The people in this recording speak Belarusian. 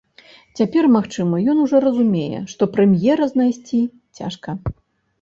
Цяпер, магчыма, ён ужо разумее, што прэм'ера знайсці цяжка.